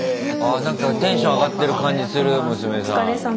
なんかテンション上がってる感じする娘さん。